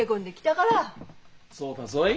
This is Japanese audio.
そうだぞい。